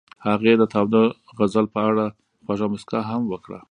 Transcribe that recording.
هغې د تاوده غزل په اړه خوږه موسکا هم وکړه.